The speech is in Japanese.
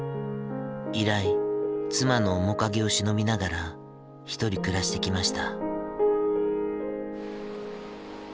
以来妻の面影をしのびながら一人暮らしてきました。